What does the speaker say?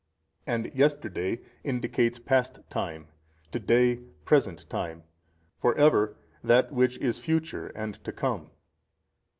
And yesterday indicates past time, to day present time, for ever that which is future and to come.